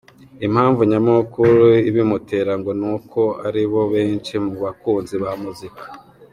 Impamvu nyamukuru ibimutera ngo ni uko ari bo benshi mu bakunzi ba muzika.